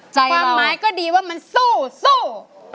ความหมายก็ดีว่ามันสู้